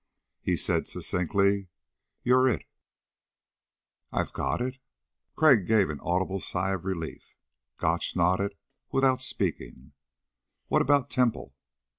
He said succinctly. "You're it." "I've got it?" Crag gave an audible sigh of relief. Gotch nodded without speaking. "What about Temple?"